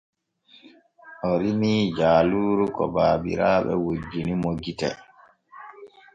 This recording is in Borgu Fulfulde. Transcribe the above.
O rimii jaaluuru ko baabiraaɓe wojjini mo gite.